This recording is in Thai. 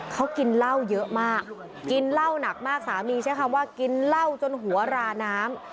เขากินเหล้าเยอะมากกินเหล้าหนักมากสามีใช้คำว่ากินเหล้าจนหัวราน้ำ